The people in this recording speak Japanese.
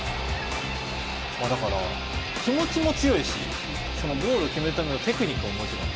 だから、気持ちも強いしゴールを決めるためのテクニックももちろん。